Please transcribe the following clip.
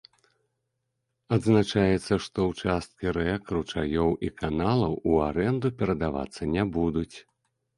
Адзначаецца, што ўчасткі рэк, ручаёў і каналаў у арэнду перадавацца не будуць.